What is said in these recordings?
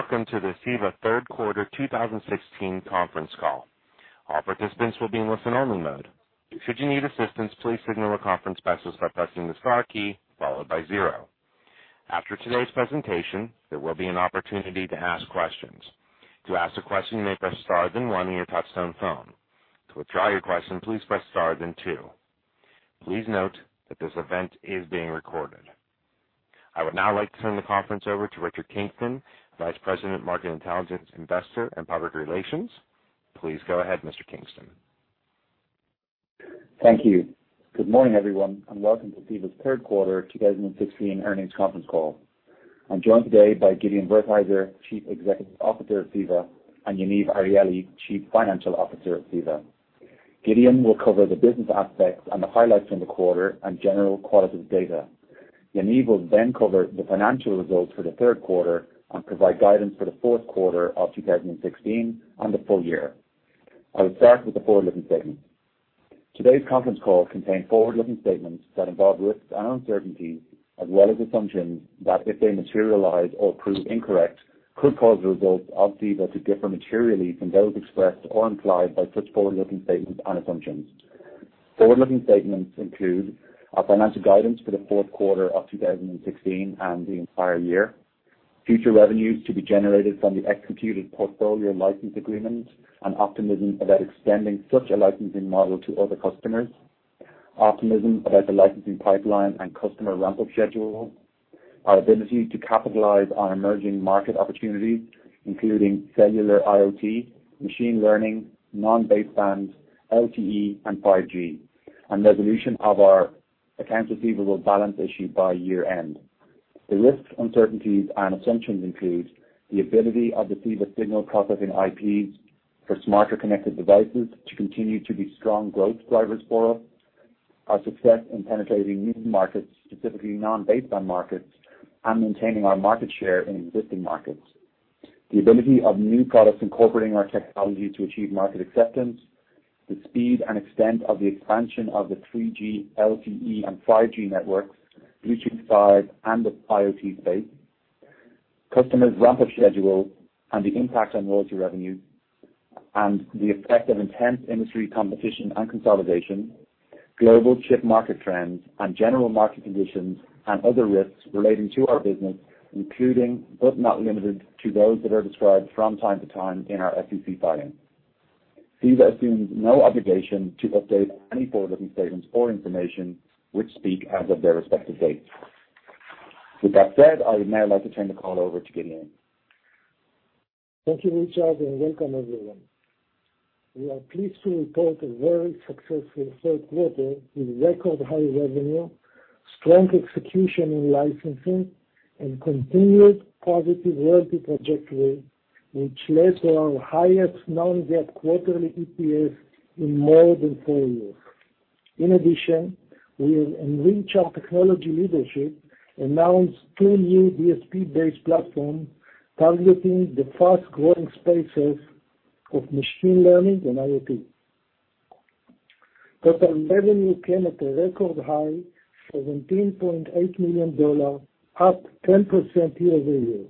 Hello, welcome to the CEVA third quarter 2016 conference call. All participants will be in listen only mode. Should you need assistance, please signal a conference specialist by pressing the star key followed by 0. After today's presentation, there will be an opportunity to ask questions. To ask a question, you may press star then 1 on your touchtone phone. To withdraw your question, please press star then 2. Please note that this event is being recorded. I would now like to turn the conference over to Richard Kingston, Vice President, Market Intelligence, Investor, and Public Relations. Please go ahead, Mr. Kingston. Thank you. Good morning, everyone, welcome to CEVA's third quarter 2016 earnings conference call. I am joined today by Gideon Wertheizer, Chief Executive Officer at CEVA, and Yaniv Arieli, Chief Financial Officer at CEVA. Gideon will cover the business aspects and the highlights from the quarter and general qualitative data. Yaniv will cover the financial results for the third quarter and provide guidance for the fourth quarter of 2016 and the full year. I will start with the forward-looking segment. Today's conference call contains forward-looking statements that involve risks and uncertainties, as well as assumptions that, if they materialize or prove incorrect, could cause the results of CEVA to differ materially from those expressed or implied by such forward-looking statements and assumptions. Forward-looking statements include our financial guidance for the fourth quarter of 2016 and the entire year, future revenues to be generated from the expanded portfolio license agreement, and optimism about extending such a licensing model to other customers, optimism about the licensing pipeline and customer ramp-up schedule, our ability to capitalize on emerging market opportunities, including cellular IoT, machine learning, non-baseband, LTE, and 5G, and resolution of our accounts receivable balance issue by year-end. The risks, uncertainties, and assumptions include the ability of the CEVA signal processing IPs for smarter connected devices to continue to be strong growth drivers for us, our success in penetrating new markets, specifically non-baseband markets, and maintaining our market share in existing markets, the ability of new products incorporating our technology to achieve market acceptance, the speed and extent of the expansion of the 3G, LTE, and 5G networks, Bluetooth 5, and the IoT space, customers' ramp-up schedule and the impact on royalty revenue, and the effect of intense industry competition and consolidation, global chip market trends and general market conditions and other risks relating to our business, including, but not limited to, those that are described from time to time in our SEC filings. CEVA assumes no obligation to update any forward-looking statements or information, which speak as of their respective dates. With that said, I would now like to turn the call over to Gideon. Thank you, Richard, and welcome, everyone. We are pleased to report a very successful third quarter with record high revenue, strong execution in licensing, and continued positive royalty trajectory, which led to our highest non-GAAP quarterly EPS in more than four years. In addition, we have, in reach our technology leadership, announced two new DSP-based platforms targeting the fast-growing spaces of machine learning and IoT. Total revenue came at a record high, $17.8 million, up 10% year-over-year.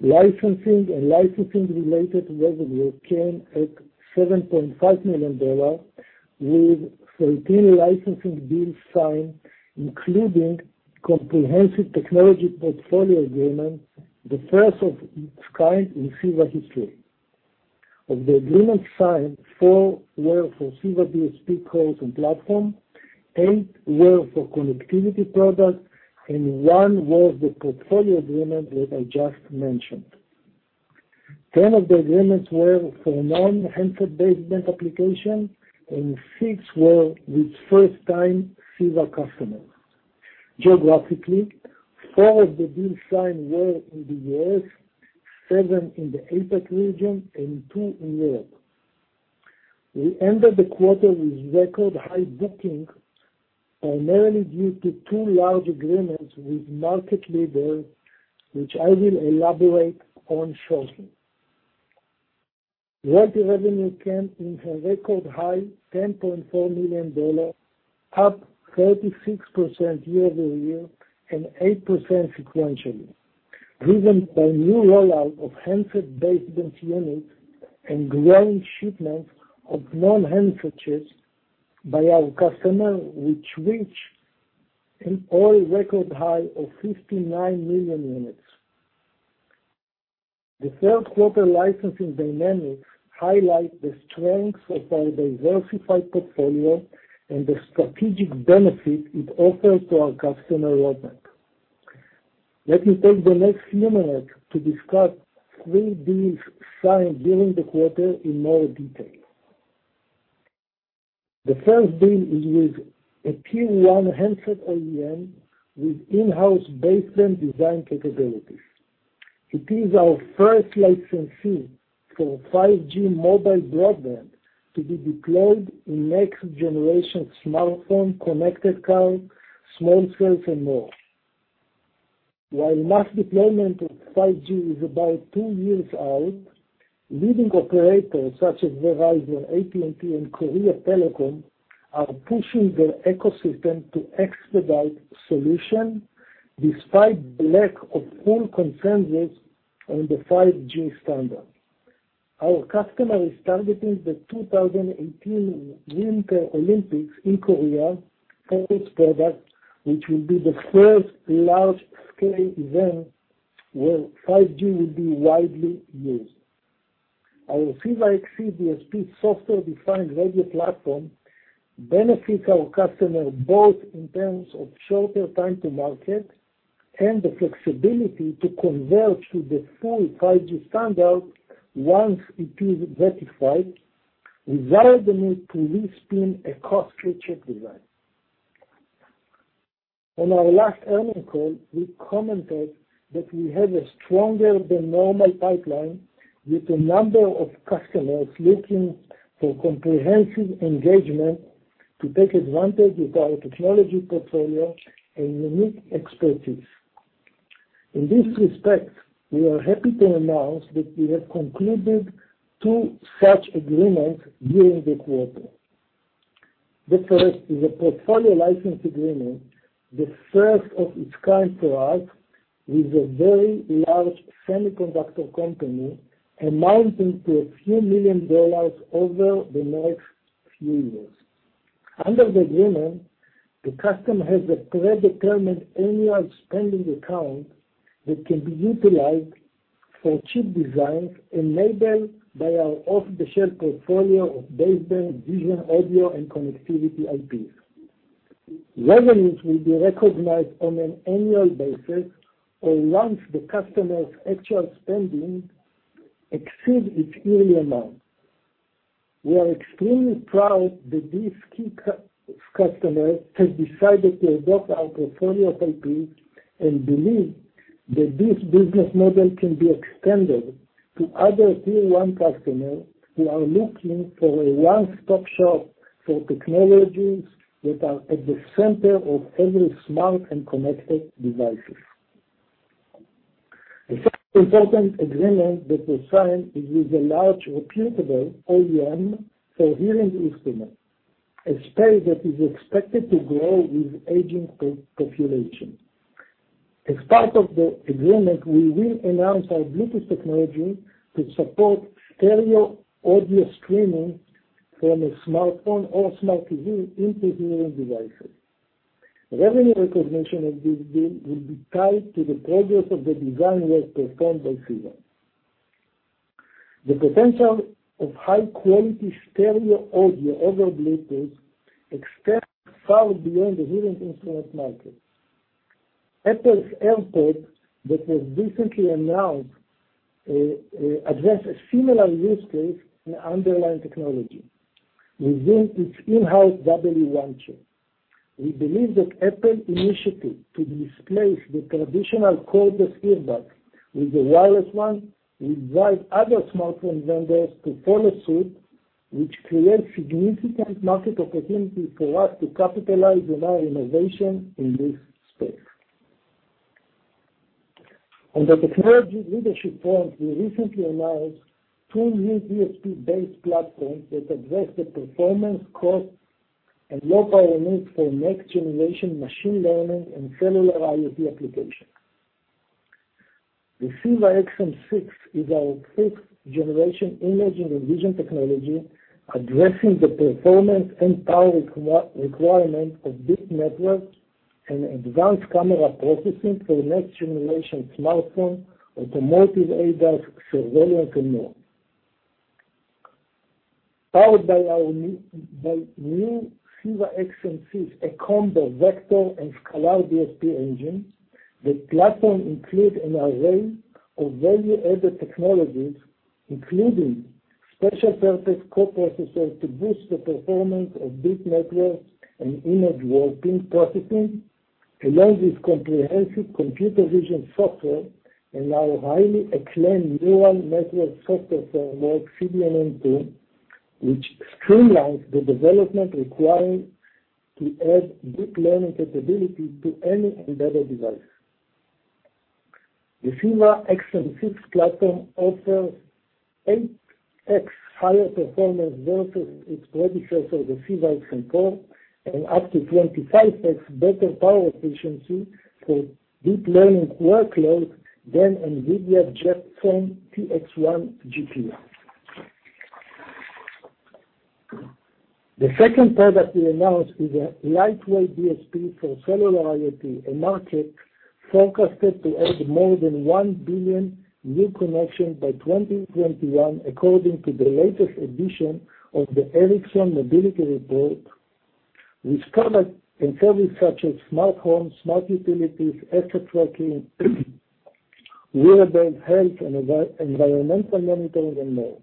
Licensing and licensing-related revenue came at $7.5 million, with 13 licensing deals signed, including comprehensive technology portfolio agreement, the first of its kind in CEVA history. Of the agreements signed, four were for CEVA DSP cores and platform, eight were for connectivity products, and one was the portfolio agreement that I just mentioned. 10 of the agreements were for non-handset baseband applications, and six were with first-time CEVA customers. Geographically, four of the deals signed were in the U.S., seven in the APAC region, and two in Europe. We ended the quarter with record high bookings, primarily due to two large agreements with market leaders, which I will elaborate on shortly. Royalty revenue came in at a record high $10.4 million, up 36% year-over-year and 8% sequentially, driven by new rollout of handset baseband units and growing shipments of non-handsets by our customer, which reached an all record high of 59 million units. The third quarter licensing dynamics highlight the strengths of our diversified portfolio and the strategic benefit it offers to our customer roadmap. Let me take the next few minutes to discuss three deals signed during the quarter in more detail. The first deal is with a tier 1 handset OEM with in-house baseband design capabilities. It is our first licensing for 5G mobile broadband to be deployed in next generation smartphone, connected car, [inaudible] and more. While mass deployment of 5G is about two years out, leading operators such as Verizon, AT&T, and Korea Telecom are pushing their ecosystem to expedite solution despite lack of full consensus on the 5G standard. Our customer is targeting the 2018 Winter Olympics in Korea for its product, which will be the first large-scale event where 5G will be widely used. Our CEVA-XC DSP software-defined radio platform benefits our customer both in terms of shorter time to market and the flexibility to convert to the full 5G standard once it is ratified, without the need to re-spin a costly chip design. On our last earnings call, we commented that we have a stronger than normal pipeline with a number of customers looking for comprehensive engagement to take advantage of our technology portfolio and unique expertise. In this respect, we are happy to announce that we have concluded two such agreements during the quarter. The first is a portfolio license agreement, the first of its kind for us, with a very large semiconductor company amounting to a few million dollars over the next few years. Under the agreement, the customer has a predetermined annual spending account that can be utilized for chip designs enabled by our off-the-shelf portfolio of baseband, vision, audio, and connectivity IPs. Revenues will be recognized on an annual basis, or once the customer's actual spending exceeds its yearly amount. We are extremely proud that this key customer has decided to adopt our portfolio of IPs and believe that this business model can be extended to other tier 1 customers who are looking for a one-stop shop for technologies that are at the center of every smart and connected devices. The second important agreement that we signed is with a large reputable OEM for hearing instruments, a space that is expected to grow with aging population. As part of the agreement, we will enhance our Bluetooth technology to support stereo audio streaming from a smartphone or smart TV into hearing devices. Revenue recognition of this deal will be tied to the progress of the design work performed by CEVA. The potential of high-quality stereo audio over Bluetooth extends far beyond the hearing instrument market. Apple's AirPods, that was recently announced, addresses a similar use case and underlying technology within its in-house W1 chip. We believe that Apple initiative to displace the traditional cordless earbud with a wireless one will drive other smartphone vendors to follow suit, which creates significant market opportunity for us to capitalize on our innovation in this space. On the technology leadership front, we recently announced two new DSP-based platforms that address the performance, cost, and low power needs for next-generation machine learning and cellular IoT applications. The CEVA-XM6 is our sixth-generation image and vision technology addressing the performance and power requirement of deep networks and advanced camera processing for next-generation smartphone, automotive ADAS, surveillance, and more. Powered by new CEVA-XM6, a combo vector and scalar DSP engine. The platform include an array of value-added technologies, including special purpose co-processors to boost the performance of deep networks and image warping processing. Along with comprehensive computer vision software and our highly acclaimed neural network software framework, CDNN2, which streamlines the development required to add deep learning capability to any embedded device. The CEVA-XM6 platform offers 8x higher performance versus its predecessor, the CEVA-XM4, and up to 25x better power efficiency for deep learning workloads than NVIDIA Jetson TX1 GPU. The second product we announced is a lightweight DSP for cellular IoT, a market forecasted to add more than 1 billion new connections by 2021, according to the latest edition of the Ericsson Mobility Report, which covers services such as smart home, smart utilities, asset tracking, wearable health and environmental monitoring, and more.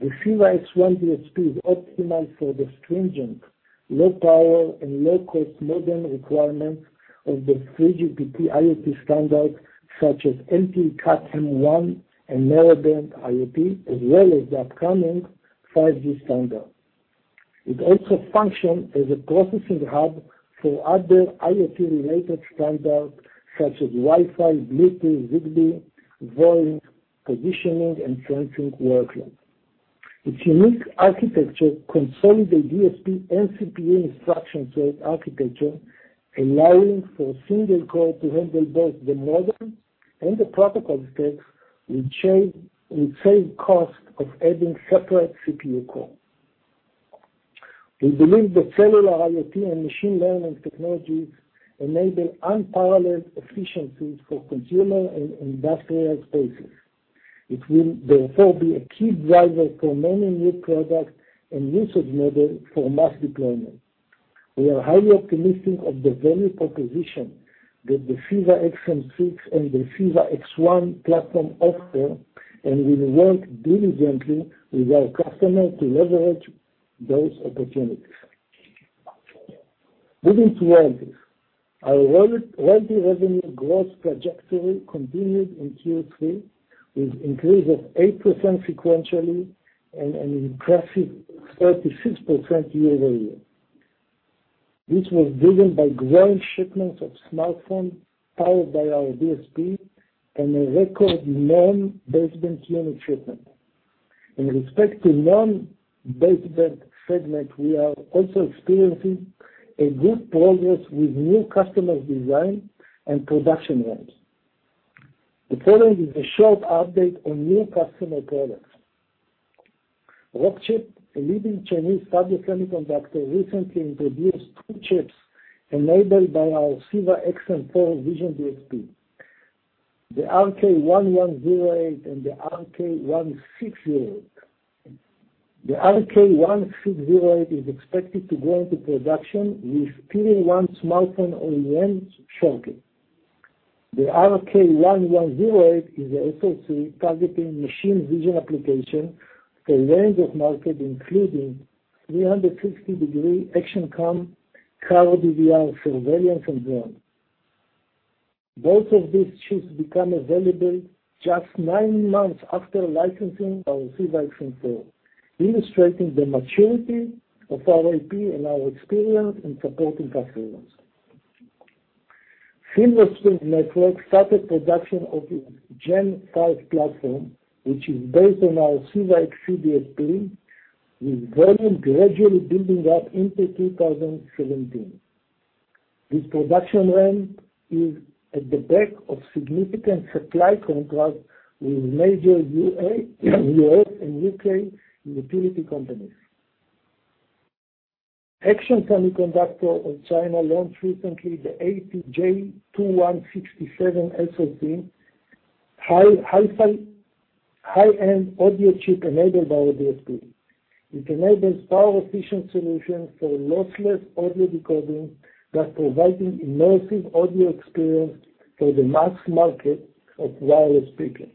The CEVA-X1 DSP is optimized for the stringent low power and low cost modem requirements of the 3GPP IoT standards, such as LTE Cat M1 and Narrowband IoT, as well as the upcoming 5G standard. It also functions as a processing hub for other IoT-related standards such as Wi-Fi, Bluetooth, Zigbee, VOIP, positioning, and sensing workloads. Its unique architecture consolidates DSP and CPU instruction set architecture, allowing for a single core to handle both the modem and the protocol stacks, which save cost of adding separate CPU cores. We believe that cellular IoT and machine learning technologies enable unparalleled efficiencies for consumer and industrial spaces. It will be a key driver for many new products and usage models for mass deployment. We are highly optimistic of the value proposition that the CEVA-XM6 and the CEVA-X1 platform offer. We will work diligently with our customers to leverage those opportunities. Moving to royalties. Our royalty revenue growth trajectory continued in Q3, with an increase of 8% sequentially and an impressive 36% year-over-year. This was driven by growing shipments of smartphones powered by our DSP and a record non-baseband unit shipment. In respect to non-baseband segment, we are also experiencing a good progress with new customers design and production ramps. The following is a short update on new customer products. Rockchip, a leading Chinese fabless semiconductor, recently introduced two chips enabled by our CEVA-XM4 vision DSP. The RK1108 and the RK1608. The RK1608 is expected to go into production with tier 1 smartphone OEMs shortly. The RK1108 is the SoC targeting machine vision application for a range of markets, including 360-degree action cam, car DVR, surveillance, and drone. Both of these chips become available just nine months after licensing our CEVA-XM4, illustrating the maturity of our IP and our experience in supporting customers. Silver Spring Networks started production of its Gen5 platform, which is based on our CEVA-XC DSP, with volume gradually building up into 2017. This production ramp is at the back of significant supply contracts with major U.S. and U.K. utility companies. Actions Semiconductor of China launched recently the ATJ2167 SoC, high-end audio chip enabled by our DSP. It enables power-efficient solutions for lossless audio decoding, thus providing immersive audio experience for the mass market of wireless speakers.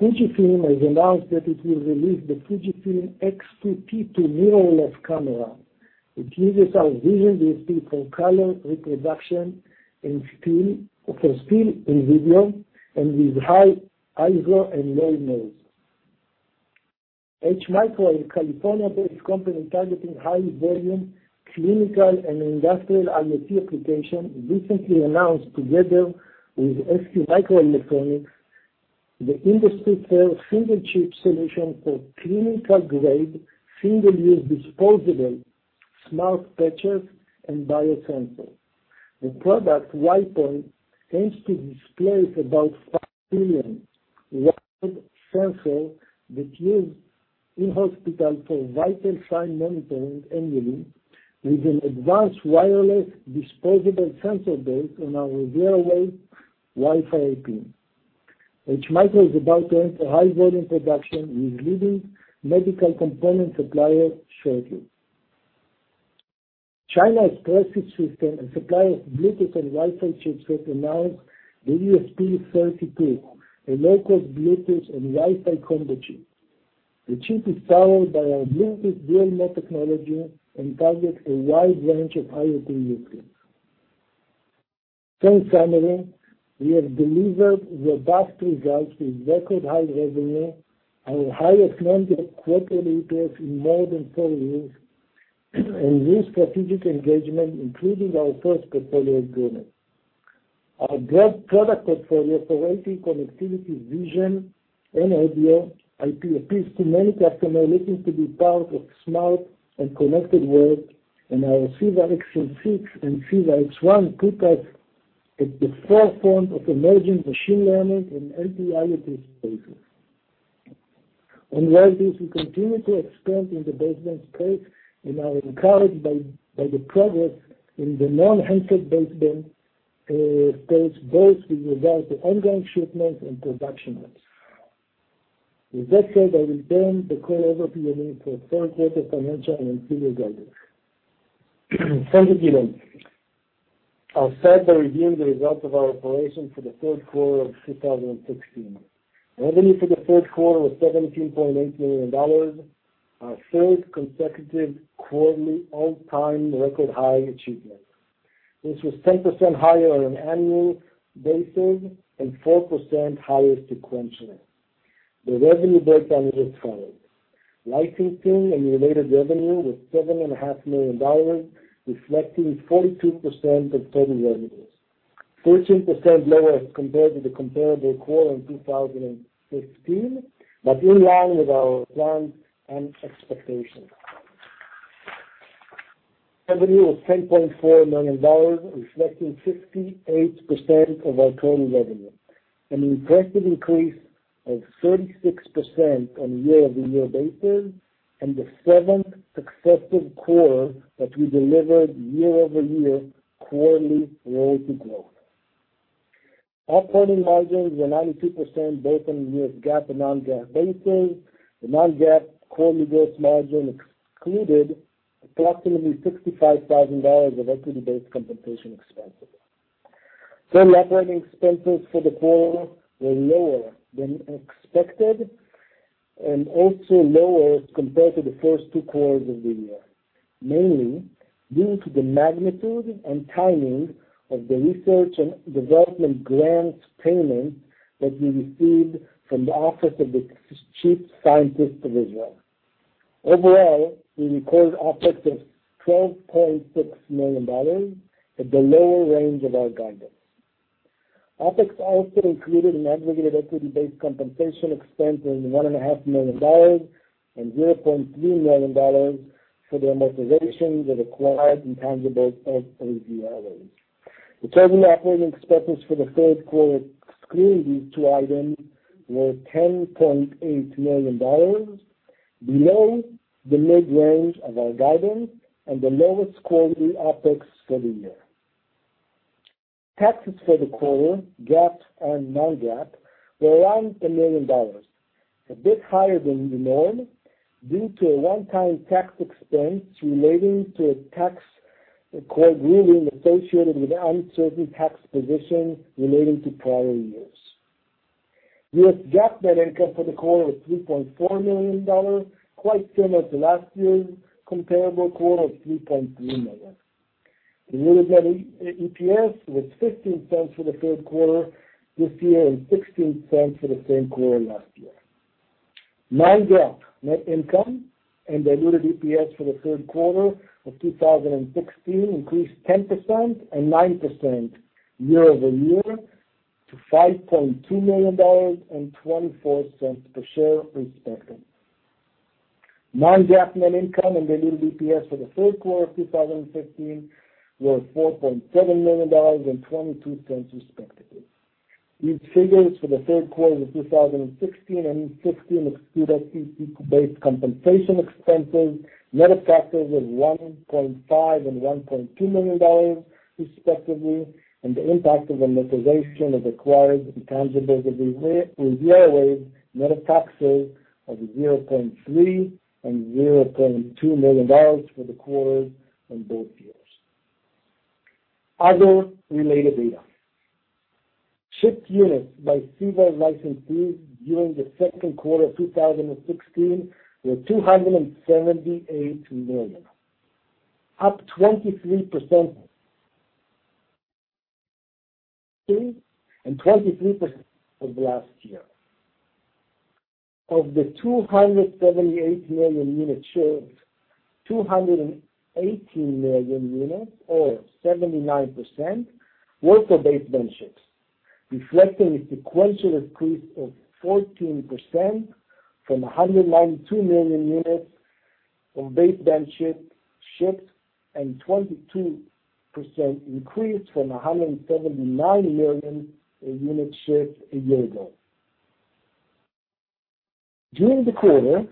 Fujifilm has announced that it will release the Fujifilm X-T2 mirrorless camera. It uses our vision DSP for color reproduction for still and video and with high ISO and low noise. HMicro, a California-based company targeting high volume clinical and industrial IoT application, recently announced together with STMicroelectronics the industry's first single chip solution for clinical-grade, single-use disposable smart patches and biosensors. The product, WiPoint, aims to displace about 5 million wired sensors that used in hospital for vital sign monitoring annually, with an advanced wireless disposable sensor based on our RivieraWaves Wi-Fi IP. HMicro is about to enter high volume production with leading medical component suppliers shortly. China's Espressif Systems, a supplier of Bluetooth and Wi-Fi chips, has announced the ESP32, a low-cost Bluetooth and Wi-Fi combo chip. The chip is powered by our RivieraWaves Bluetooth dual mode technology and targets a wide range of IoT use cases. In summary, we have delivered robust results with record high revenue, our highest quarterly gross margin in more than four years, and new strategic engagements, including our first portfolio agreement. Our broad product portfolio covering connectivity, vision, and audio IP appeals to many customers looking to be part of smart and connected world. Our CEVA-XM6 and CEVA-X1 put us at the forefront of emerging machine learning and LP IoT spaces. On royalties, we continue to expand in the baseband space and are encouraged by the progress in the non-handset baseband space, both with regard to ongoing shipments and production ramps. With that said, I will turn the call over to Yaniv for third quarter financial and fourth quarter guidance. Thank you, Gil. I will start by reviewing the results of our operations for the third quarter of 2016. Revenue for the third quarter was $17.8 million, our third consecutive quarterly all-time record high achievement. This was 10% higher on an annual basis and 4% higher sequentially. The revenue breakdown is as follows: licensing and related revenue was $7.5 million, reflecting 42% of total revenues, 13% lower compared to the comparable quarter in 2015, but in line with our plans and expectations. Revenue of $10.4 million, reflecting 68% of our total revenue, an impressive increase of 36% on a year-over-year basis, and the seventh successive quarter that we delivered year-over-year quarterly royalty growth. Operating margins were 92% both on US GAAP and non-GAAP basis. The non-GAAP quarterly gross margin excluded approximately $65,000 of equity-based compensation expenses. Some operating expenses for the quarter were lower than expected and also lower as compared to the first two quarters of the year, mainly due to the magnitude and timing of the research and development grants payment that we received from the Office of the Chief Scientist of Israel. Overall, we recorded OpEx of $12.6 million at the lower range of our guidance. OpEx also included an aggregated equity-based compensation expense of $1.5 million and $0.3 million for the amortization of acquired intangibles of. [inaudible] The total operating expenses for the third quarter excluding these two items were $10.8 million, below the mid-range of our guidance and the lowest quarterly OpEx for the year. Taxes for the quarter, GAAP and non-GAAP, were around $1 million, a bit higher than the norm due to a one-time tax expense relating to a tax court ruling associated with uncertain tax positions relating to prior years. US GAAP net income for the quarter was $3.4 million, quite similar to last year's comparable quarter of $3.3 million. The diluted EPS was $0.15 for the third quarter this year and $0.16 for the same quarter last year. Non-GAAP net income and diluted EPS for the third quarter of 2016 increased 10% and 9% year-over-year to $5.2 million and $0.24 per share, respectively. Non-GAAP net income and diluted EPS for the third quarter of 2015 were $4.7 million and $0.22, respectively. These figures for the third quarter of 2016 and 2015 exclude stock-based compensation expenses, net of taxes of $1.5 million and $1.2 million, respectively, and the impact of amortization of acquired intangibles of VoiOs, net of taxes of $0.3 million and $0.2 million for the quarter in both years. Other related data. Shipped units by CEVA licensees during the second quarter of 2016 were 278 million, up 23% and 23% from last year. Of the 278 million units shipped, 218 million units or 79% were for baseband chips, reflecting a sequential increase of 14% from 192 million units from baseband chips shipped and 22% increase from 179 million units shipped a year ago. During the quarter,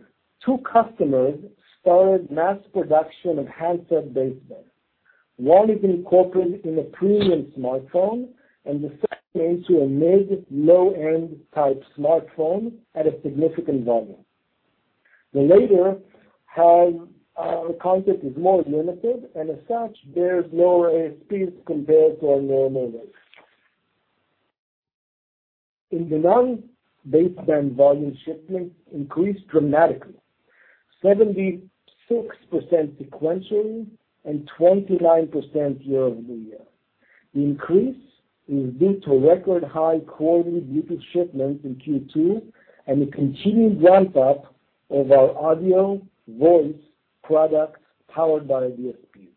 two customers started mass production of handset baseband. One is incorporated in a premium smartphone, and the second into a mid low-end type smartphone at a significant volume. The latter have our content is more limited. As such, bears lower ASPs compared to our normal rates. In the non-baseband volume, shipments increased dramatically, 76% sequentially and 29% year-over-year. The increase is due to record high quarterly Bluetooth shipments in Q2 and a continued ramp-up of our audio voice products powered by DSP.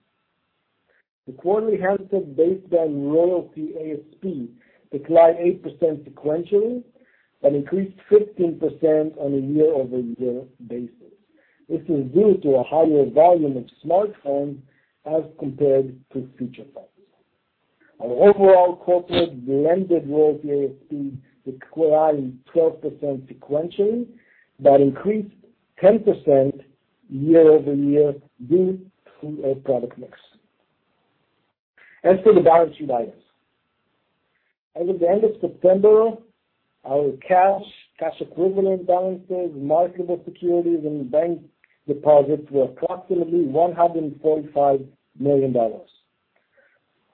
The quarterly handset baseband royalty ASP declined 8% sequentially, but increased 15% on a year-over-year basis. This is due to a higher volume of smartphones as compared to feature phones. Our overall corporate blended royalty ASP declined 12% sequentially, but increased 10% year-over-year due to our product mix. As for the balance sheet items. As of the end of September, our cash equivalent balances, marketable securities, and bank deposits were approximately $145 million.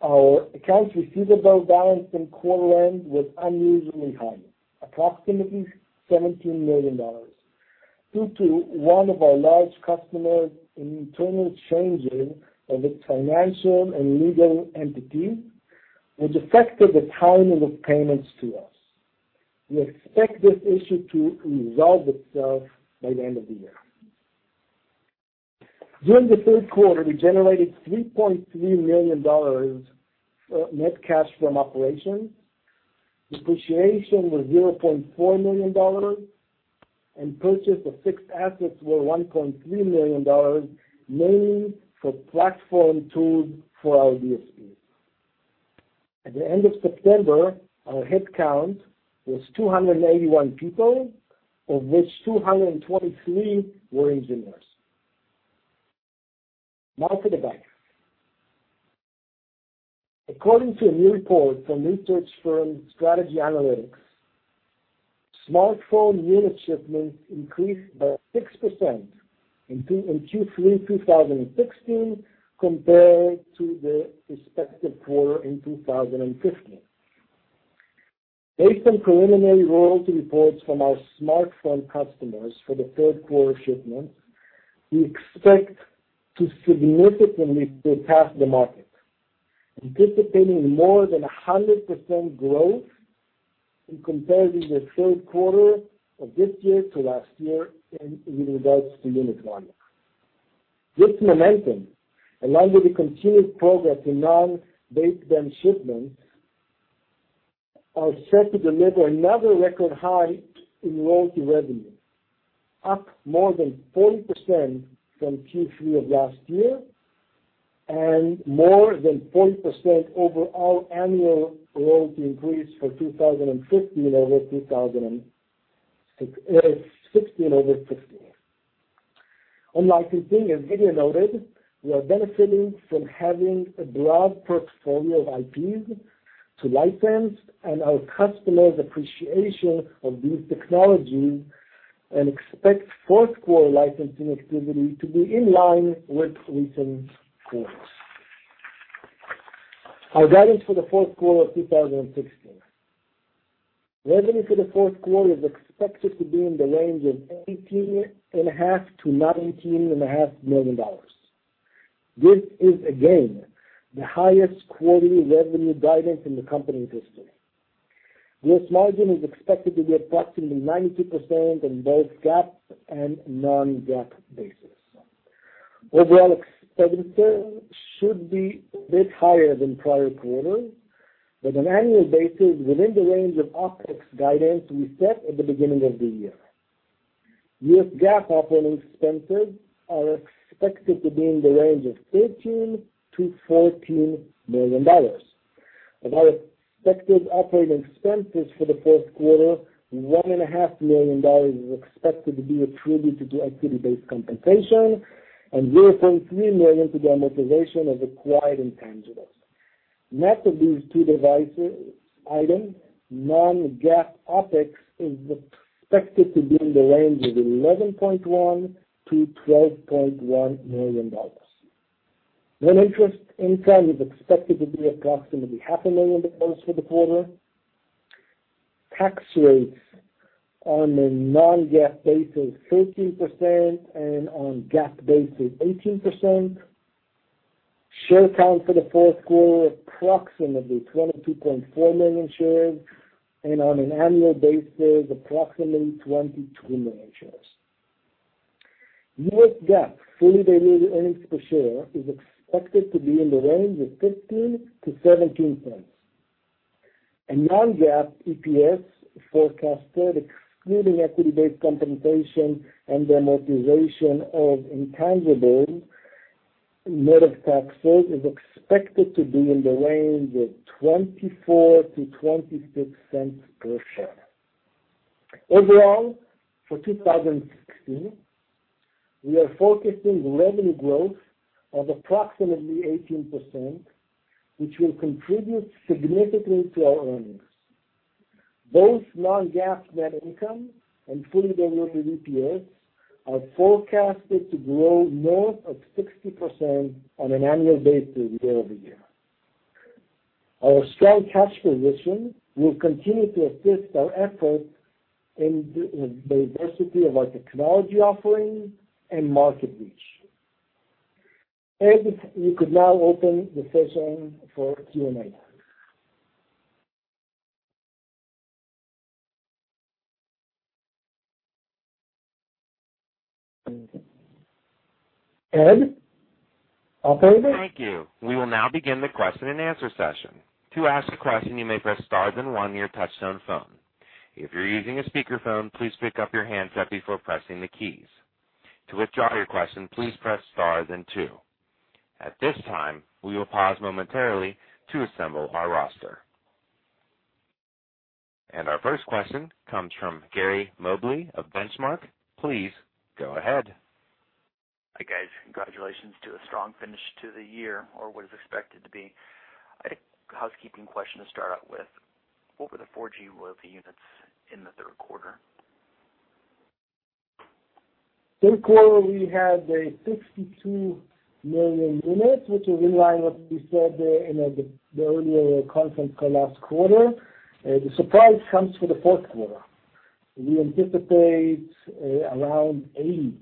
Our accounts receivable balance in quarter end was unusually high, approximately $17 million. Due to one of our large customers' internal changing of its financial and legal entity, which affected the timing of payments to us. We expect this issue to resolve itself by the end of the year. During the third quarter, we generated $3.3 million net cash from operations. Depreciation was $0.4 million, and purchase of fixed assets were $1.3 million, mainly for platform tools for our DSP. At the end of September, our headcount was 281 people, of which 223 were engineers. Now for the back. According to a new report from research firm Strategy Analytics, smartphone unit shipments increased by 6% in Q3 2016 compared to the respective quarter in 2015. Based on preliminary royalty reports from our smartphone customers for the third quarter shipments, we expect to significantly surpass the market, anticipating more than 100% growth in comparing the third quarter of this year to last year in regards to unit volume. This momentum, along with the continued progress in non-baseband shipments, are set to deliver another record high in royalty revenue, up more than 40% from Q3 of last year and more than 40% over our annual royalty increase for 2015 over 2016. On licensing, as Gideon noted, we are benefiting from having a broad portfolio of IPs to license and our customers' appreciation of these technologies, and expect fourth quarter licensing activity to be in line with recent quarters. Our guidance for the fourth quarter of 2016. Revenue for the fourth quarter is expected to be in the range of $18.5 million-$19.5 million. This is, again, the highest quarterly revenue guidance in the company's history. Gross margin is expected to be approximately 92% on both GAAP and non-GAAP basis. Overall expenses should be a bit higher than prior quarters, but on an annual basis, within the range of OpEx guidance we set at the beginning of the year. U.S. GAAP operating expenses are expected to be in the range of $13 million-$14 million. Of our expected operating expenses for the fourth quarter, $1.5 million is expected to be attributed to equity-based compensation and $0.3 million to the amortization of acquired intangibles. Net of these two items, non-GAAP OpEx is expected to be in the range of $11.1 million-$12.1 million. Net interest income is expected to be approximately $500,000 for the quarter. Tax rates on a non-GAAP basis, 13%, and on GAAP basis, 18%. Share count for the fourth quarter, approximately 22.4 million shares, and on an annual basis, approximately 22 million shares. U.S. GAAP fully diluted earnings per share is expected to be in the range of $0.15-$0.17. Non-GAAP EPS forecasted, excluding equity-based compensation and amortization of intangibles, net of taxes, is expected to be in the range of $0.24-$0.26 per share. Overall, for 2016, we are forecasting revenue growth of approximately 18%, which will contribute significantly to our earnings. Both non-GAAP net income and fully diluted EPS are forecasted to grow more of 60% on an annual basis year-over-year. Ed, you could now open the session for Q&A. Ed, operator? Thank you. We will now begin the question-and-answer session. To ask a question, you may press star then one on your touchtone phone. If you're using a speakerphone, please pick up your handset before pressing the keys. To withdraw your question, please press star then two. At this time, we will pause momentarily to assemble our roster. Our first question comes from Gary Mobley of Benchmark. Please go ahead. Hi, guys. Congratulations to a strong finish to the year, or what is expected to be. A housekeeping question to start out with. What were the 4G royalty units in the third quarter? Third quarter, we have 62 million units, which is in line what we said in the earlier conference call last quarter. The surprise comes for the fourth quarter. We anticipate around 80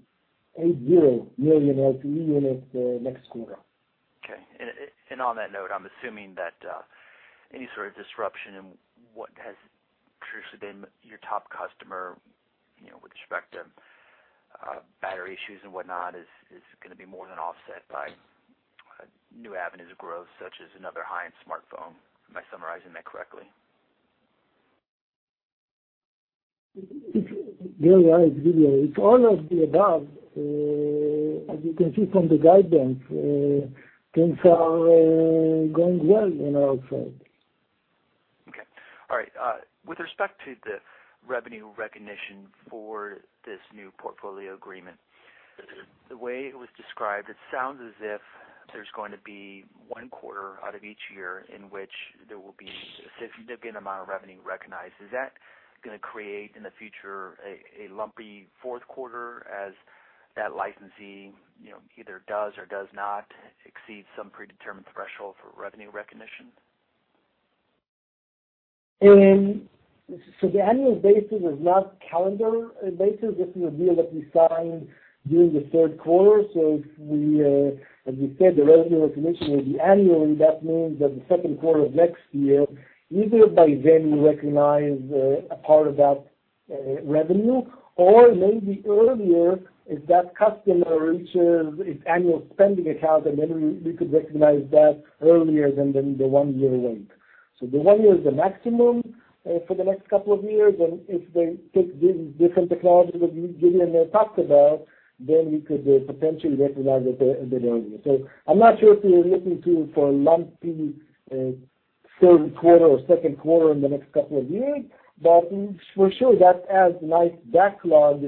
million LTE units next quarter. Okay. On that note, I'm assuming that any sort of disruption in what has previously been your top customer with respect to battery issues and whatnot, is going to be more than offset by new avenues of growth, such as another high-end smartphone. Am I summarizing that correctly? You're right, Gideon. It's all of the above. As you can see from the guidance, things are going well in our side. Okay. All right. With respect to the revenue recognition for this new portfolio agreement, the way it was described, it sounds as if there's going to be one quarter out of each year in which there will be a significant amount of revenue recognized. Is that going to create, in the future, a lumpy fourth quarter as that licensee either does or does not exceed some predetermined threshold for revenue recognition? The annual basis is not calendar basis. This is a deal that we signed during the third quarter. As we said, the revenue recognition will be annually. That means that the second quarter of next year, either by then we recognize a part of that revenue or maybe earlier, if that customer reaches its annual spending account, then maybe we could recognize that earlier than the one-year length. The one year is the maximum for the next couple of years, and if they take different technologies that Gideon talked about, then we could potentially recognize it a bit earlier. I'm not sure if you're looking for lumpy third quarter or second quarter in the next couple of years, but for sure, that adds nice backlog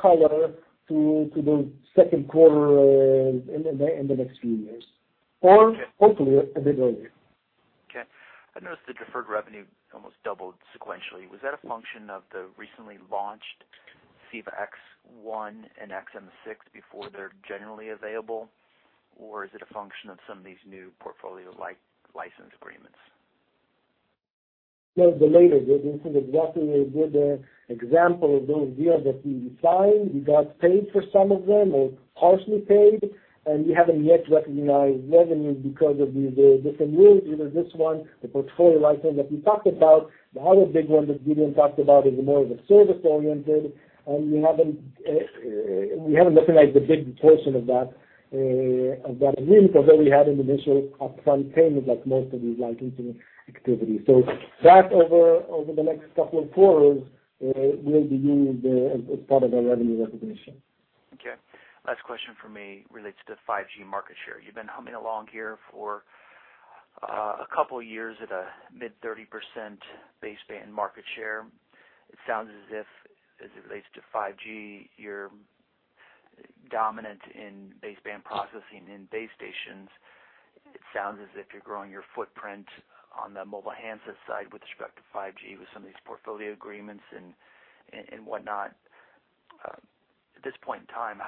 color to the second quarter in the next few years. Okay hopefully, a bit earlier. Okay. I noticed the deferred revenue almost doubled sequentially. Was that a function of the recently launched CEVA-X1 and XM6 before they're generally available, or is it a function of some of these new portfolio license agreements? No, the latter. This is exactly a good example of those deals that we signed. We got paid for some of them, or partially paid, and we haven't yet recognized revenue because of the different deals, either this one, the portfolio item that we talked about. The other big one that Gideon talked about is more service-oriented, and we haven't recognized a big portion of that deal because they only had an initial upfront payment, like most of these licensing activities. That, over the next couple of quarters, will be used as part of our revenue recognition. Okay. Last question for me relates to 5G market share. You've been humming along here for a couple of years at a mid-30% baseband market share. It sounds as if, as it relates to 5G, you're dominant in baseband processing in base stations. It sounds as if you're growing your footprint on the mobile handset side with respect to 5G with some of these portfolio agreements and whatnot. At this point in time,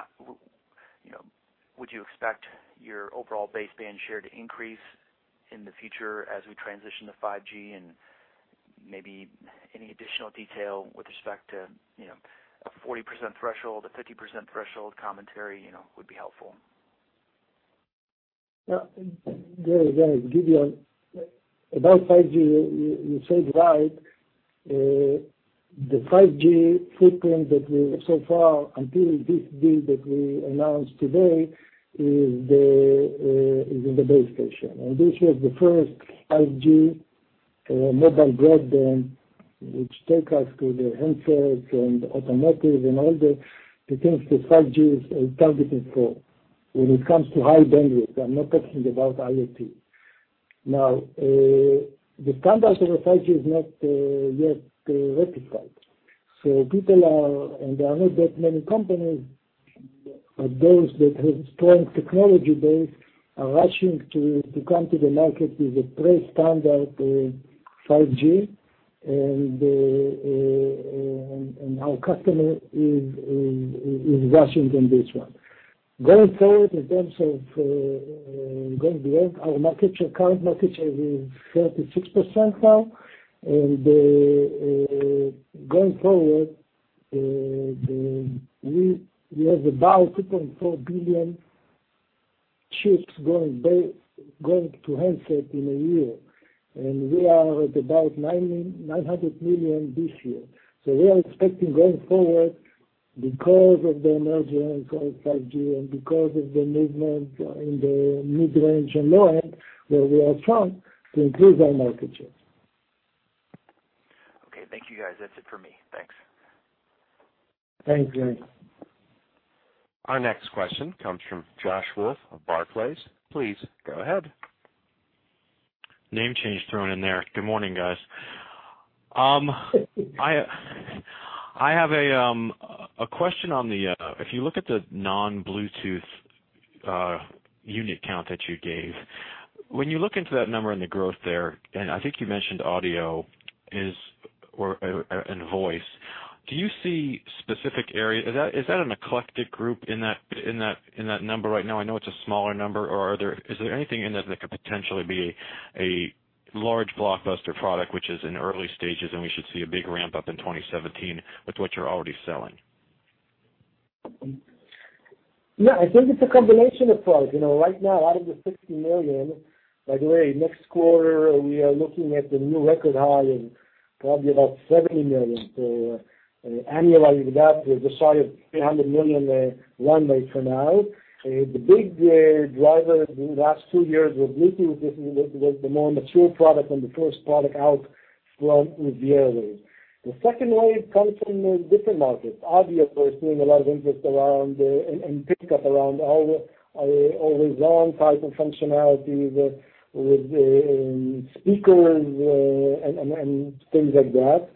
would you expect your overall baseband share to increase in the future as we transition to 5G and maybe any additional detail with respect to a 40% threshold, a 50% threshold commentary would be helpful. Yeah. Gideon, about 5G, you said it right. The 5G footprint that we have so far until this deal that we announced today is in the base station. This was the first 5G mobile broadband, which take us to the handsets and automotive and all the things that 5G is targeting for when it comes to high bandwidth. I'm not talking about IoT. The standard for 5G is not yet ratified. People are, and there are not that many companies, but those that have strong technology base are rushing to come to the market with a pre-standard 5G, and our customer is rushing on this one. Going forward, in terms of going beyond our current market share is 36% now, and going forward, we have about 2.4 billion chips going to handset in a year. We are at about 900 million this year. We are expecting, going forward, because of the emerging of course, 5G, and because of the movement in the mid-range and low-end, where we are strong, to improve our market share. Okay. Thank you, guys. That's it for me. Thanks. Thanks, Gary. Our next question comes from Josh Wolf of Barclays. Please go ahead. Name change thrown in there. Good morning, guys. I have a question on the, if you look at the non-Bluetooth Unit count that you gave. When you look into that number and the growth there, I think you mentioned audio and voice, do you see specific areas? Is that an eclectic group in that number right now? I know it's a smaller number, or is there anything in there that could potentially be a large blockbuster product, which is in the early stages, and we should see a big ramp-up in 2017 with what you're already selling? Yeah, I think it's a combination of products. Right now, out of the $60 million, by the way, next quarter, we are looking at the new record high of probably about $70 million. Annualizing that, we're just shy of a $300 million run rate for now. The big driver in the last two years with Bluetooth is the more mature product and the first product [out slum] with the AirPods. The second wave comes from different markets. Audio, we're seeing a lot of interest around and pickup around all always-on type of functionalities, with speakers, and things like that.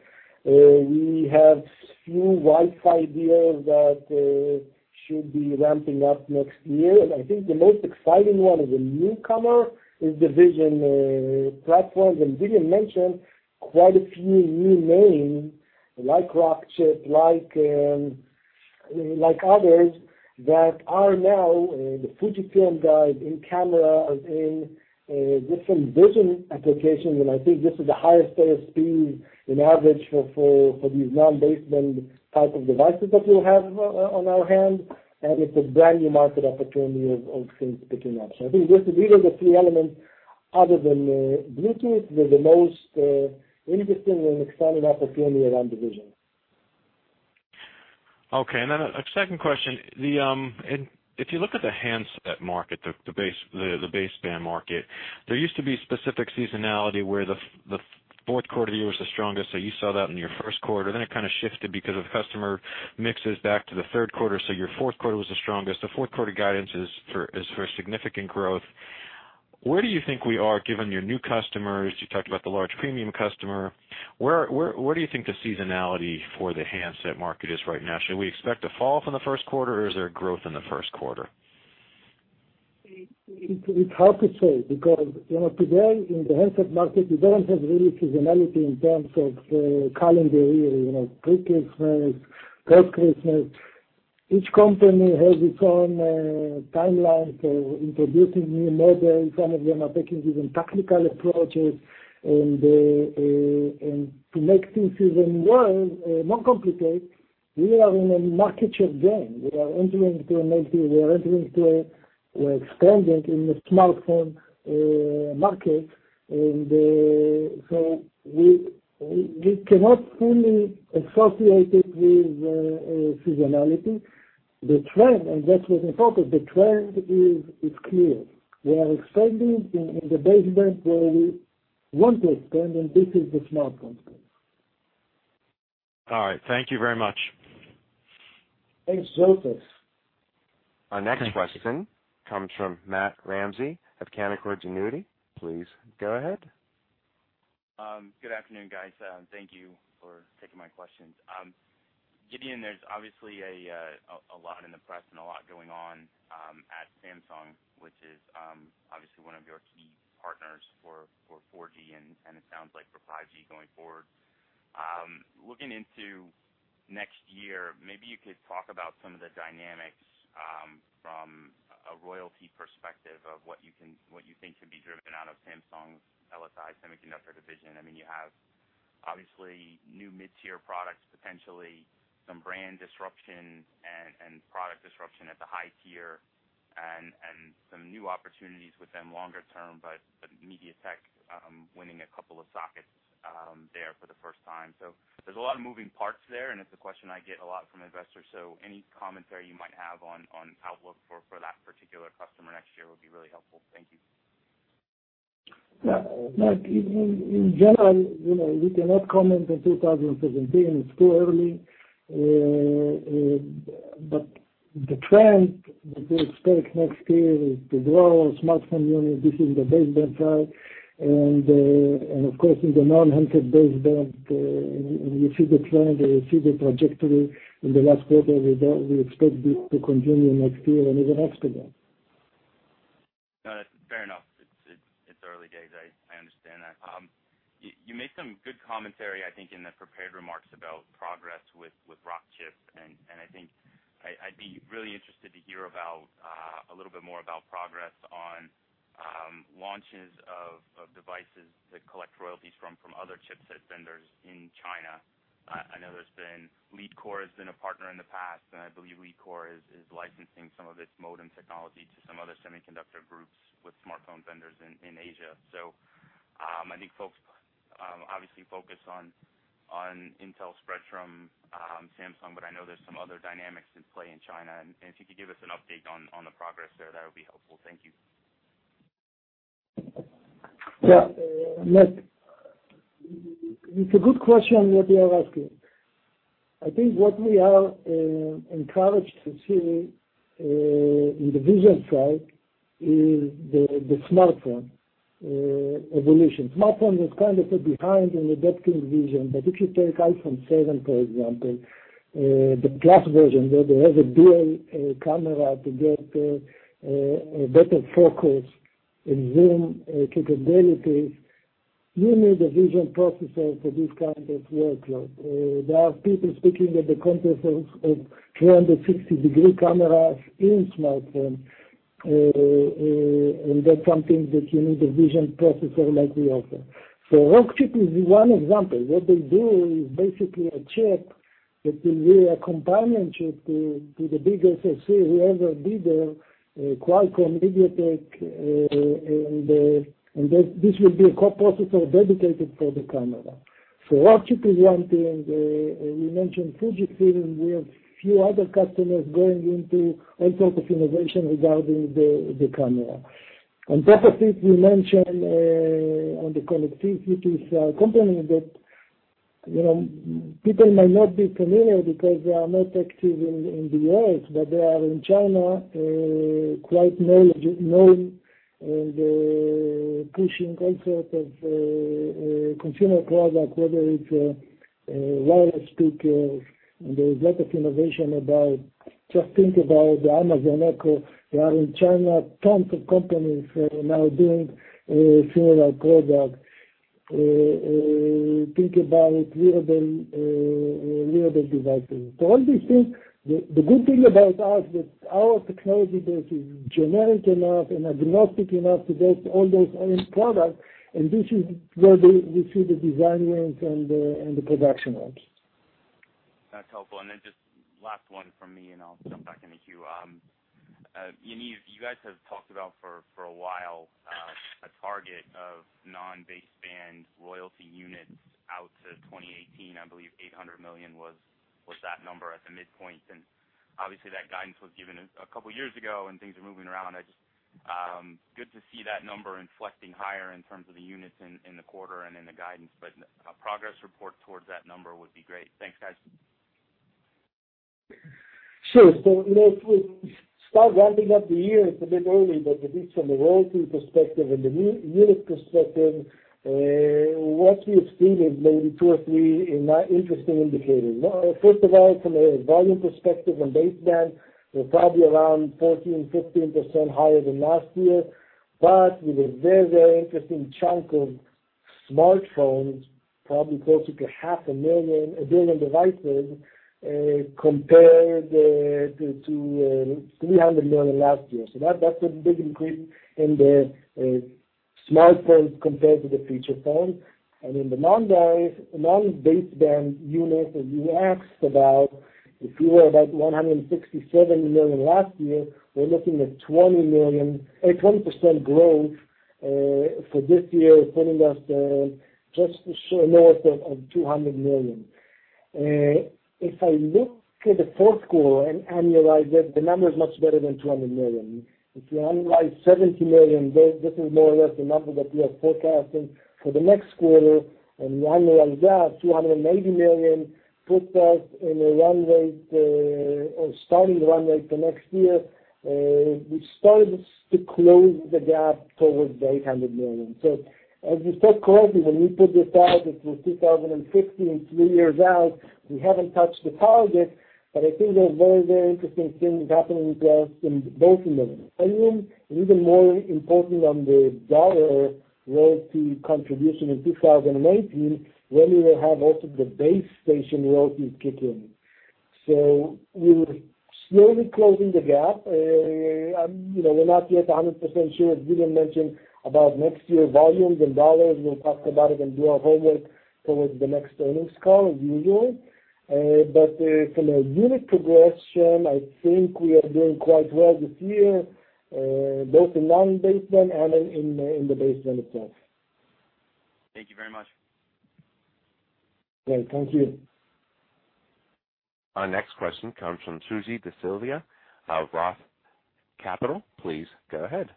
We have few Wi-Fi deals that should be ramping up next year. I think the most exciting one is a newcomer, is the vision platform. Gideon mentioned quite a few new names like Rockchip, like others that are now the Fujifilm guy in camera, in different vision applications. I think this is the highest data speed in average for these non-baseband type of devices that we have on our hand, and it's a brand new market opportunity of things picking up. I think these are the three elements other than Bluetooth, they're the most interesting and exciting opportunity around the vision. Okay. A second question. If you look at the handset market, the baseband market, there used to be specific seasonality where the fourth quarter of the year was the strongest, so you saw that in your first quarter, then it kind of shifted because of customer mixes back to the third quarter, so your fourth quarter was the strongest. The fourth quarter guidance is for significant growth. Where do you think we are, given your new customers? You talked about the large premium customer. Where do you think the seasonality for the handset market is right now? Should we expect a fall from the first quarter, or is there growth in the first quarter? It's hard to say because today in the handset market, we don't have really seasonality in terms of the calendar year, pre-Christmas, post-Christmas. Each company has its own timelines for introducing new models. Some of them are taking different tactical approaches, to make things even more complicated, we are in a market share game. We are entering into and expanding in the smartphone market, we cannot fully associate it with seasonality. The trend, and that was in focus, the trend is clear. We are expanding in the baseband where we want to expand, this is the smartphone space. All right. Thank you very much. Thanks, Josh. Our next question comes from Matt Ramsay of Canaccord Genuity. Please go ahead. Good afternoon, guys. Thank you for taking my questions. Gideon, there's obviously a lot in the press and a lot going on at Samsung, which is obviously one of your key partners for 4G and it sounds like for 5G going forward. Looking into next year, maybe you could talk about some of the dynamics from a royalty perspective of what you think could be driven out of Samsung's LSI semiconductor division. You have, obviously, new mid-tier products, potentially some brand disruption and product disruption at the high tier, and some new opportunities with them longer term, but MediaTek winning a couple of sockets there for the first time. There's a lot of moving parts there, and it's a question I get a lot from investors, so any commentary you might have on outlook for that particular customer next year would be really helpful. Thank you. Yeah. Matt, in general, we cannot comment on 2017. It's too early. The trend that we expect next year is to grow smartphone units. This is the baseband side. Of course, in the non-handset baseband, we see the trend, we see the trajectory in the last quarter. We expect this to continue next year and even after that. No, that's fair enough. It's early days. I understand that. You made some good commentary, I think, in the prepared remarks about progress with Rockchip, I think I'd be really interested to hear a little bit more about progress on launches of devices that collect royalties from other chipset vendors in China. I know Leadcore has been a partner in the past, I believe Leadcore is licensing some of its modem technology to some other semiconductor groups with smartphone vendors in Asia. I think folks obviously focus on Intel spread from Samsung, but I know there's some other dynamics in play in China, and if you could give us an update on the progress there, that would be helpful. Thank you. Yeah. Matt, it's a good question what you are asking. I think what we are encouraged to see in the vision side is the smartphone evolution. Smartphone is kind of behind in adopting vision, but if you take iPhone 7, for example, the plus version, where they have a dual camera to get better focus and zoom capabilities, you need a vision processor for this kind of workload. There are people speaking at the conference of 360-degree cameras in smartphone, that's something that you need a vision processor like we offer. Rockchip is one example. What they do is basically a chip that will be a companion chip to the big SoC, whoever it be, Qualcomm, MediaTek, and this will be a co-processor dedicated for the camera. Rockchip is one thing. We mentioned Fujifilm, we have few other customers going into all sorts of innovation regarding the camera. On processor, we mentioned, on the connectivity company that people may not be familiar because they are not active in the U.S., but they are in China, quite known, and pushing all sorts of consumer products, whether it's wireless speakers, and there's a lot of innovation about Just think about the Amazon Echo. There are in China, tons of companies now doing similar product. Think about wearable devices. All these things, the good thing about us is that our technology base is generic enough and agnostic enough to get all those end products, and this is where we see the design wins and the production wins. That's helpful. Then just last one from me, and I'll jump back in the queue. Yaniv, you guys have talked about for a while, a target of non-baseband royalty units out to 2018. I believe 800 million was that number at the midpoint. Obviously that guidance was given a couple of years ago and things are moving around. Good to see that number inflecting higher in terms of the units in the quarter and in the guidance, but a progress report towards that number would be great. Thanks, guys. Sure. If we start rounding up the year, it is a bit early, at least from the royalty perspective and the unit perspective, what we have seen is maybe two or three interesting indicators. First of all, from a volume perspective on baseband, we are probably around 14%-15% higher than last year, with a very interesting chunk of smartphones, probably close to half a million devices, compared to 300 million last year. That is a big increase in the smartphones compared to the feature phone. In the non-baseband units that you asked about, if we were about 167 million last year, we are looking at 20% growth for this year, putting us just short of 200 million. If I look at the fourth quarter and annualize it, the number is much better than 200 million. If you annualize 70 million, this is more or less the number that we are forecasting for the next quarter, and annualize that, 280 million, puts us in a run rate, or starting run rate for next year, which starts to close the gap towards 800 million. As we start closing, when we put this out, it was 2016, three years out, we have not touched the target, but I think there are very interesting things happening with us in both of them. Even more important on the dollar royalty contribution in 2019, when we will have also the base station royalty kick in. We are slowly closing the gap. We are not yet 100% sure, as Gideon mentioned, about next year volumes and dollars. We will talk about it and do our homework towards the next earnings call as usual. From a unit progression, I think we are doing quite well this year, both in non-baseband and in the baseband itself. Thank you very much. Great. Thank you. Our next question comes from Suji Desilva of ROTH Capital. Please go ahead.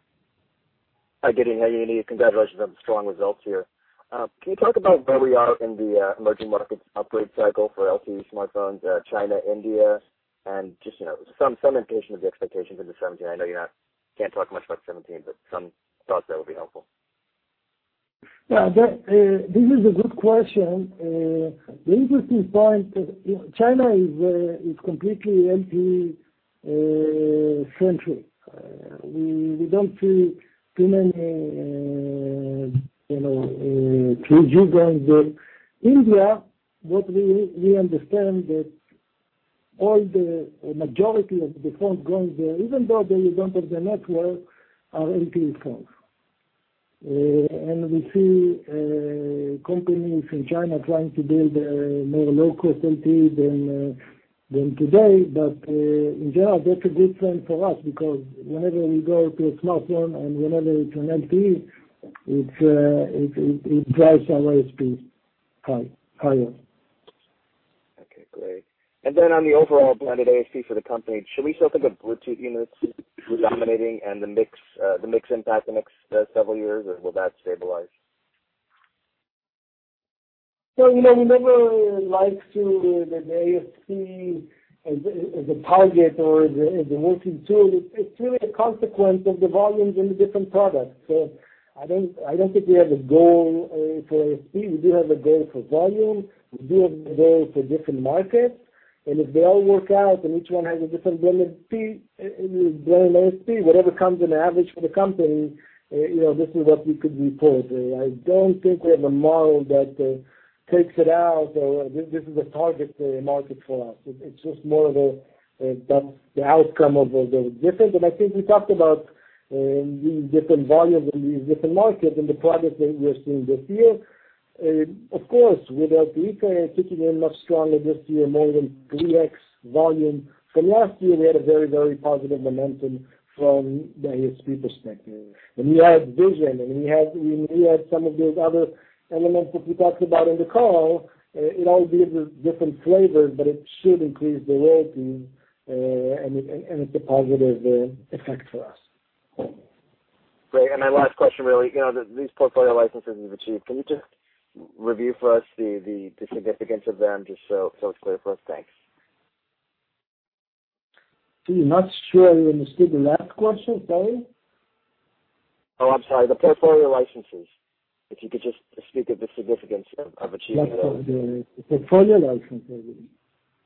Hi, Gideon. Hi, Yaniv. Congratulations on the strong results here. Can you talk about where we are in the emerging markets upgrade cycle for LTE smartphones, China, India, and just some indication of the expectations in 2017? I know you can't talk much about 2017, but some thoughts there would be helpful. Yeah. This is a good question. The interesting point is China is completely LTE central. We don't see too many 3G going there. India, what we understand that all the majority of the phones going there, even though they don't have the network, are LTE phones. We see companies in China trying to build a more low-cost LTE than today, in general, that's a good trend for us because whenever we go to a smartphone and whenever it's an LTE, it drives our ASP higher. Okay, great. On the overall plan at ASP for the company, should we still think of Bluetooth units predominating and the mix impact the next several years, or will that stabilize? We never like to say that the ASP is the target or the working tool. It's really a consequence of the volumes in the different products. I don't think we have a goal for ASP. We do have a goal for volume, we do have a goal for different markets, and if they all work out and each one has a different blend ASP, whatever comes in average for the company, this is what we could report. I don't think we have a model that takes it out, or this is a target market for us. It's just more of the outcome of the different, and I think we talked about different volumes in these different markets and the progress that we are seeing this year. Of course, with [LPIC] kicking in much stronger this year, more than 3X volume from last year, we had a very positive momentum from the ASP perspective. When we add vision, and we had some of those other elements that we talked about in the call, it all gives a different flavor, but it should increase the royalty, and it's a positive effect for us. Great. My last question, really, these portfolio licenses you've achieved, can you just review for us the significance of them just so it's clear for us? Thanks. I'm not sure I understood the last question, sorry. Oh, I'm sorry. The portfolio licenses, if you could just speak of the significance of achieving those. The portfolio licenses.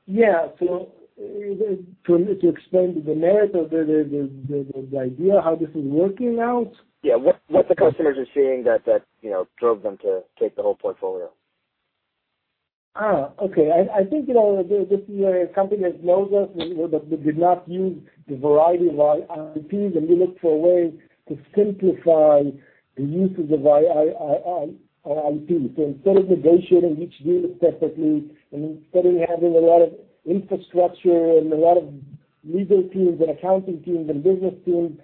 Yeah. To explain the merit of the idea, how this is working out? Yeah. What the customers are seeing that drove them to take the whole portfolio? I think this company that knows us, that did not use the variety of IP, and we looked for a way to simplify the uses of IP. Instead of negotiating each deal separately, and instead of having a lot of infrastructure and a lot of legal teams and accounting teams and business teams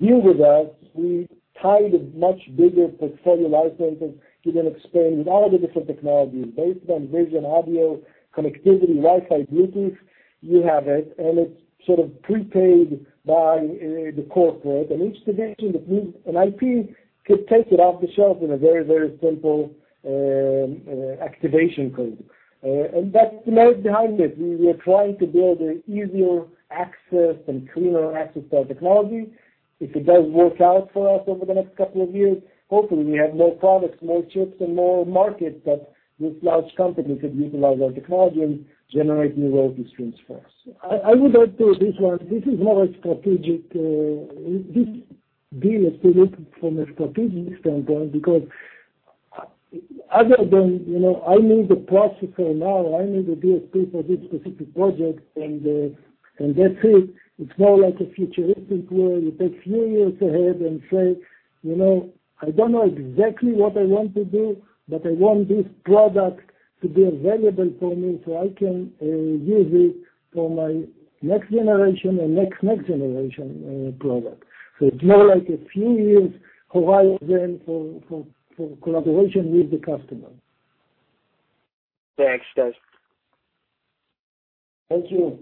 deal with us, we tied a much bigger portfolio licenses to then expand with all the different technologies, baseband, vision, audio, connectivity, Wi-Fi, Bluetooth, you have it, and it's sort of prepaid by the corporate. Each division that needs an IP could take it off the shelf in a very simple activation code. That's the merit behind it. We are trying to build an easier access and cleaner access to our technology. If it does work out for us over the next couple of years, hopefully, we have more products, more chips, and more markets that this large company could utilize our technology and generate new royalty streams for us. This one, this is more strategic. This deal is strategic from a strategic standpoint because other than, I need the processor now. I need the DSP for this specific project, and that's it. It's more like a futuristic way. You take few years ahead and say, "I don't know exactly what I want to do, but I want this product to be available for me so I can use it for my next generation and next-next generation product." It's more like a few years horizon for collaboration with the customer. Thanks, guys. Thank you.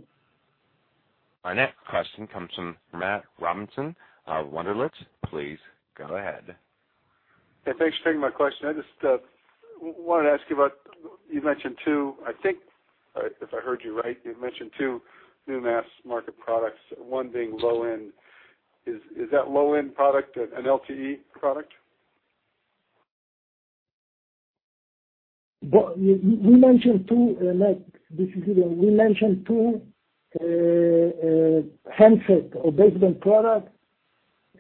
Our next question comes from Matt Robison of Wunderlich. Please go ahead. Thanks for taking my question. I just wanted to ask you about, you mentioned two, I think, if I heard you right, you mentioned two new mass market products, one being low-end. Is that low-end product an LTE product? We mentioned two, Matt. This is Gideon. We mentioned two handset or baseband product.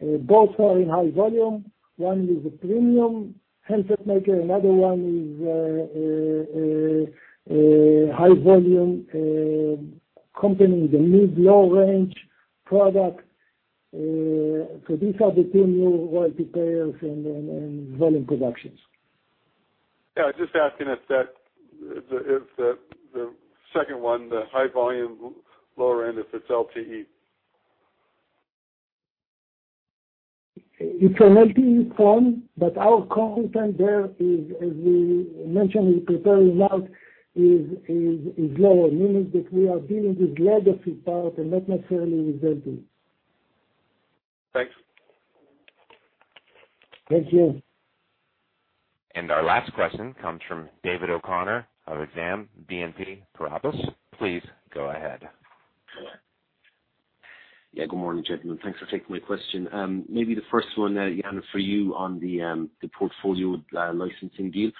Both are in high volume. One is a premium handset maker. Another one is a high volume company in the mid-low range product. These are the two new royalty payers and volume productions. Just asking if the second one, the high volume, lower end, if it's LTE. It's an LTE front, but our content there is, as we mentioned we prepare now, is lower. Meaning that we are dealing with legacy part and not necessarily with LTE. Thanks. Thank you. Our last question comes from David O'Connor of Exane BNP Paribas. Please go ahead. Yeah. Good morning, gentlemen. Thanks for taking my question. Maybe the first one, Yaniv, for you on the portfolio licensing deal.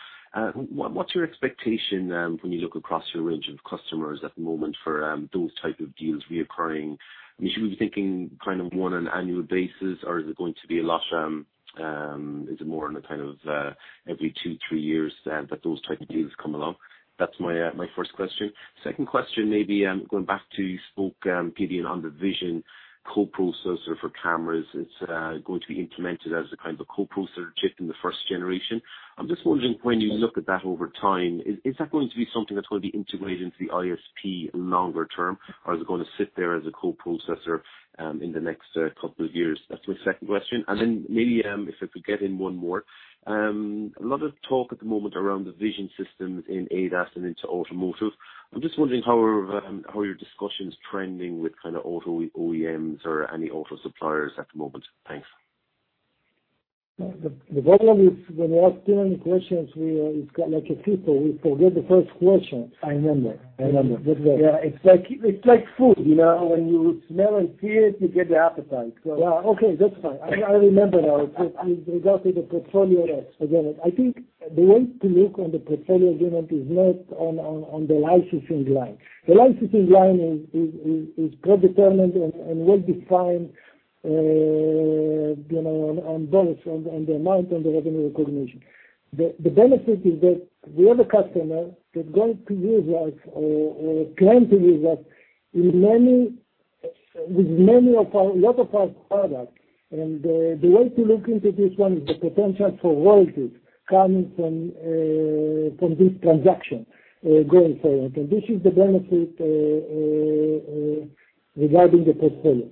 What's your expectation when you look across your range of customers at the moment for those type of deals reoccurring? We should be thinking more on an annual basis, or is it going to be a lot, is it more on a kind of every two, three years that those type of deals come along? That's my first question. Second question maybe, going back to, you spoke, Gideon, on the vision co-processor for cameras. It's going to be implemented as a kind of a co-processor chip in the first generation. I'm just wondering when you look at that over time, is that going to be something that's going to be integrated into the ISP longer term, or is it going to sit there as a co-processor in the next couple of years? That's my second question. Maybe, if I could get in one more. A lot of talk at the moment around the vision systems in ADAS and into automotive. I'm just wondering how your discussions trending with kind of auto OEMs or any auto suppliers at the moment. Thanks. The problem is when you ask too many questions, it's like a pistol. We forget the first question. I remember. Yeah. It's like food. When you smell and feel it, you get the appetite. Yeah. Okay, that's fine. I remember now. With regard to the portfolio agreement, I think the way to look on the portfolio agreement is not on the licensing line. The licensing line is predetermined and well-defined on dollars, on the amount, on the revenue recognition. The benefit is that the other customer that going to use us or plan to use us with a lot of our products, and the way to look into this one is the potential for royalties coming from this transaction going forward. This is the benefit regarding the portfolio.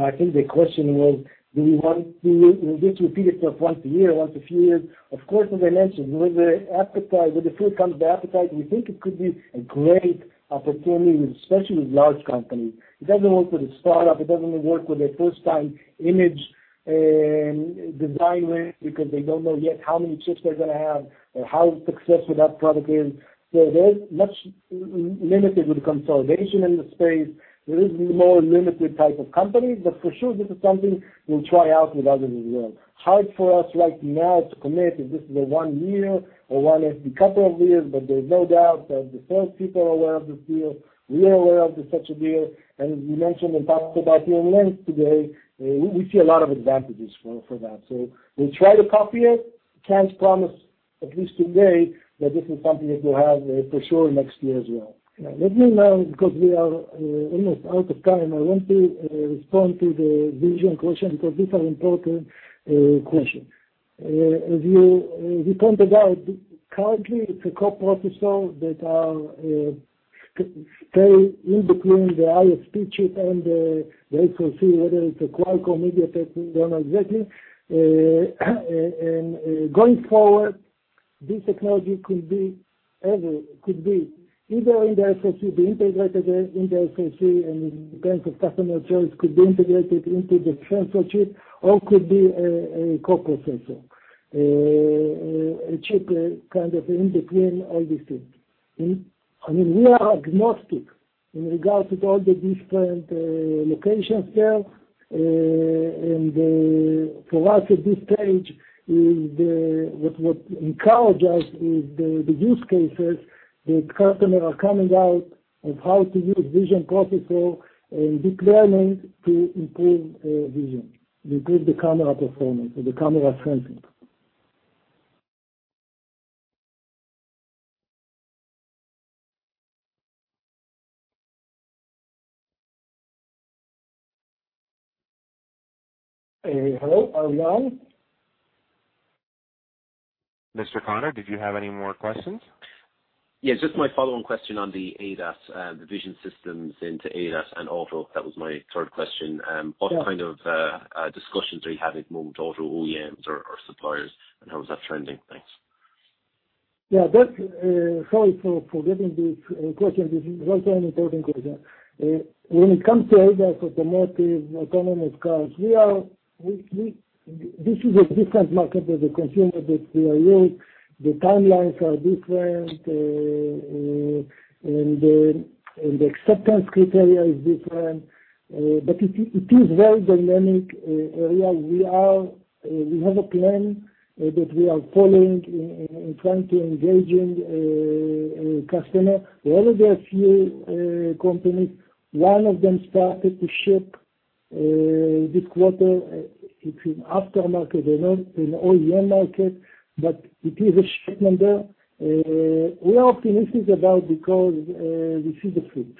I think the question was: Do we want this to be repeated once a year or once a few years? Of course, as I mentioned, with the food comes the appetite, and we think it could be a great opportunity, especially with large companies. It doesn't work with a startup. It doesn't work with a first-time image design win because they don't know yet how many chips they're going to have or how successful that product is. There's much limited with consolidation in the space. There is more limited type of companies, but for sure, this is something we'll try out with others as well. Hard for us right now to commit if this is one year or one is a couple of years, but there's no doubt that the sales people are aware of this deal, we are aware of such a deal, and as we mentioned and talked about here at length today, we see a lot of advantages for that. We'll try to copy it. Can't promise, at least today, that this is something that we'll have for sure next year as well. Let me now, because we are almost out of time, I want to respond to the vision question because this is an important question. As you pointed out, currently it's a coprocessor that stays in between the ISP chip and the SoC, whether it's a Qualcomm, MediaTek, we don't know exactly. Going forward, this technology could be either in the SoC, be integrated in the SoC and depends on customer choice, could be integrated into the sensor chip or could be a coprocessor. A chip kind of in between all these things. We are agnostic in regards to all the different locations there, and for us at this stage, what encourages us is the use cases that customers are coming out of how to use vision processor and deep learning to improve vision, improve the camera performance or the camera sensing. Hello, are we on? Mr. O'Connor, did you have any more questions? Yeah, just my follow-on question on the ADAS, the vision systems into ADAS and auto. That was my third question. Yeah. What kind of discussions are you having with auto OEMs or suppliers, and how is that trending? Thanks. Yeah. Sorry for forgetting this question. This is also an important question. When it comes to ADAS automotive, autonomous cars, this is a different market than the consumer that we are used. The timelines are different and the acceptance criteria is different, but it is very dynamic area. We have a plan that we are following in trying to engaging customer. There are only a few companies. One of them started to ship this quarter. It's in aftermarket and OEM market, but it is a shipment there. We are optimistic about because we see the fruit.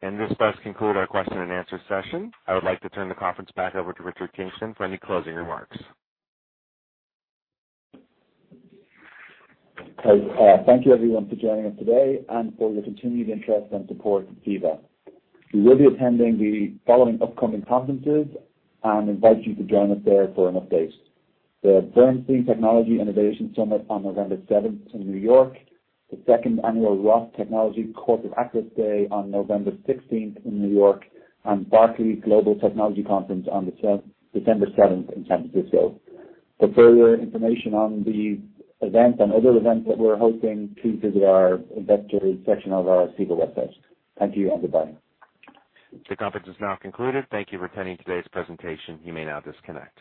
This does conclude our question and answer session. I would like to turn the conference back over to Richard Kingston for any closing remarks. Thank you everyone for joining us today and for your continued interest and support for CEVA. We will be attending the following upcoming conferences and invite you to join us there for an update. The Bernstein Technology Innovation Summit on November 7th in New York, the second annual ROTH Technology Corporate Access Day on November 16th in New York, and Barclays Global Technology Conference on December 7th in San Francisco. For further information on the event and other events that we're hosting, please visit our investor section of our CEVA website. Thank you and goodbye. The conference is now concluded. Thank you for attending today's presentation. You may now disconnect.